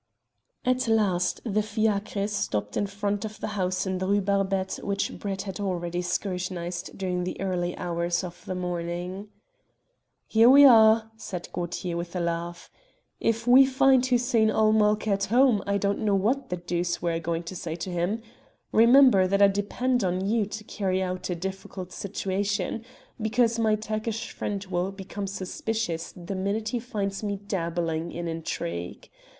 At last the fiacre stopped in front of the house in the Rue Barbette which Brett had already scrutinized during the early hours of the morning. "Here we are," said Gaultier with a laugh. "If we find Hussein ul Mulk at home I don't know what the deuce we are going to say to him. Remember that I depend on you to carry out a difficult situation, because my Turkish friend will become suspicious the minute he finds me dabbling in intrigue.